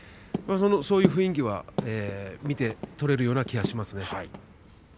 そういう雰囲気は見て取れるような気がしますね。